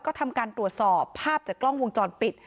ก็ทำการตรวจสอบภาพจากกล้องวงจรปิด